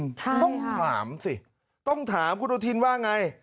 ต้องถามสิต้องถามคุณอนุทินว่าไง